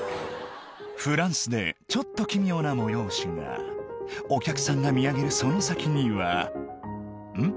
フランスでちょっと奇妙な催しがお客さんが見上げるその先にはんっ？